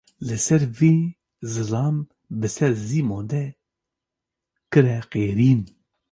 Li ser vê, zilam bi ser Sîmon de kire qêrîn.